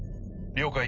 了解。